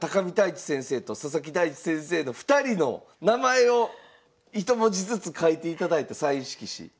見泰地先生と佐々木大地先生の２人の名前をひと文字ずつ書いていただいたサイン色紙。